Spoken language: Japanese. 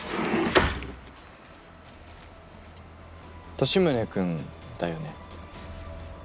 利宗君だよね？